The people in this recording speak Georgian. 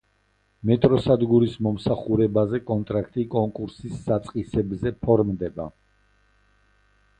მეტროსადგურის მომსახურებაზე კონტრაქტი კონკურსის საწყისებზე ფორმდება.